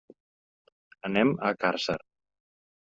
Anem a Càrcer.